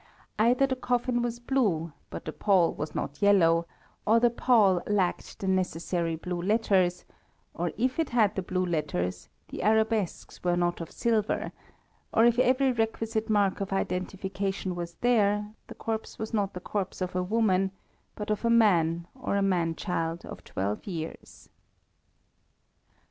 Either the coffin was blue but the pall was not yellow, or the pall lacked the necessary blue letters, or if it had the blue letters the arabesques were not of silver, or if every requisite mark of identification was there, the corpse was not the corpse of a woman, but of a man, or a manchild of twelve years.